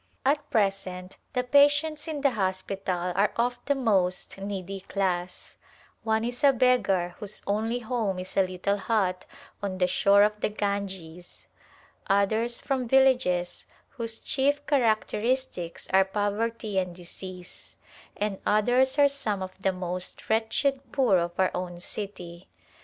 At present the patients in the hospital are of the most needy class ; one is a beggar whose only home is a little hut on the shore of the Ganges; others, from villages, whose chief characteristics are poverty and disease ; and others are some of the most wretched poor of our own city.